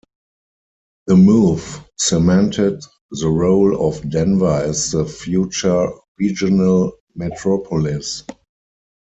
The move cemented the role of Denver as the future regional metropolis.